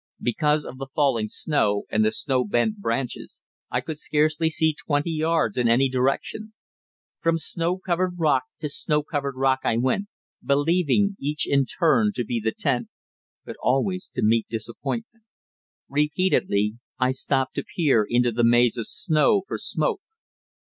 Because of the falling snow and the snow bent branches, I could scarcely see twenty yards in any direction. From snow covered rock to snow covered rock I went, believing each in turn to be the tent, but always to meet disappointment. Repeatedly I stopped to peer into the maze of snow for smoke.